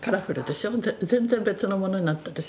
全然別のものになったでしょ。